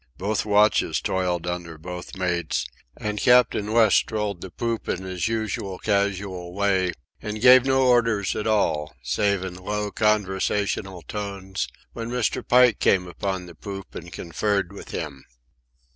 Both watches toiled under both mates, and Captain West strolled the poop in his usual casual way, and gave no orders at all, save in low conversational tones, when Mr. Pike came upon the poop and conferred with him.